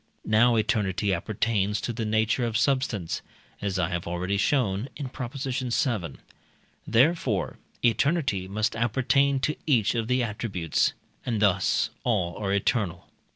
Now eternity appertains to the nature of substance (as I have already shown in Prop. vii.); therefore, eternity must appertain to each of the attributes, and thus all are eternal.